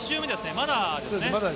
まだですね。